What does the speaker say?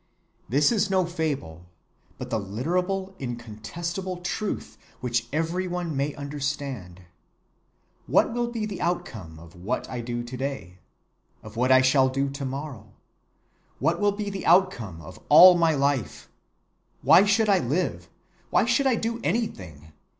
"This is no fable, but the literal incontestable truth which every one may understand. What will be the outcome of what I do to‐day? Of what I shall do to‐morrow? What will be the outcome of all my life? Why should I live? Why should I do anything?